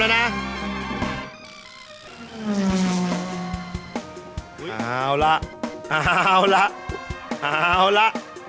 เอาละเอาละเอาละ